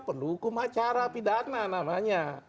perlu hukum acara pidana namanya